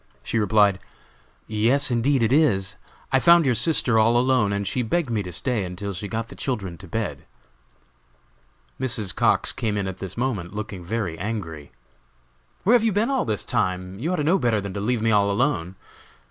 She replied: "Yes indeed it is! I found your sister all alone, and she begged me to stay until she got the children in bed." Mrs. Cox came in at this moment, looking very angry. "Where have you been all this time? You ought to know better than to leave me all alone.